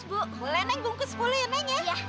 boleh neng bungkus sepuluh ya neng ya